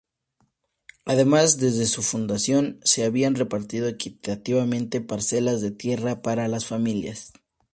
Además, desde su fundación, se habían repartido equitativamente parcelas de tierra para las familias.